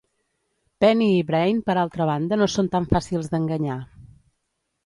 Penny i Brain, per altra banda, no són tan fàcils d'enganyar.